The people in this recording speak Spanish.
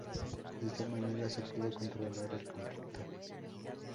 De esta manera, se pudo controlar el conflicto.